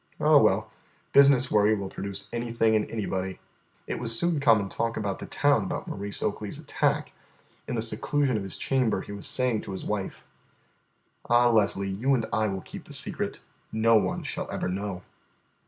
Oh, well, business worry will produce anything in anybody." It was soon common talk about the town about Maurice Oakley's attack. In the seclusion of his chamber he was saying to his wife: "Ah, Leslie, you and I will keep the secret. No one shall ever know."